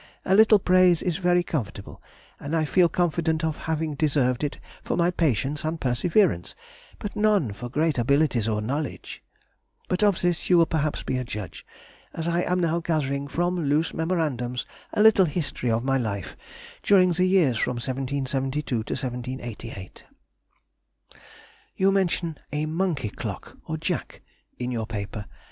A little praise is very comfortable, and I feel confident of having deserved it for my patience and perseverance, but none for great abilities or knowledge. But of this you will perhaps be a judge, as I am now gathering from loose memorandums a little history of my life during the years from 1772 to 1788.... [Sidenote: 1826. Monkey Clock to count Seconds.] You mention a monkey clock, or jack, in your paper.